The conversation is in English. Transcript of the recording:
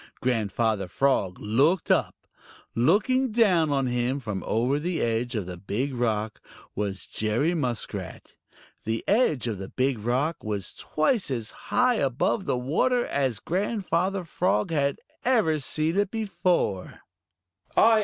Grandfather Frog looked up. Looking down on him from over the edge of the Big Rock was Jerry Muskrat. The edge of the Big Rock was twice as high above the water as Grandfather Frog had ever seen it before.